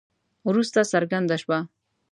وروسته څرګنده شوه.